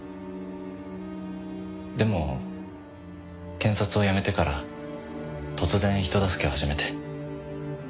でも検察を辞めてから突然人助けを始めて。